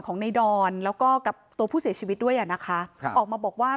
ของในดอนแล้วก็กับตัวผู้เสียชีวิตด้วยอ่ะนะคะครับออกมาบอกว่า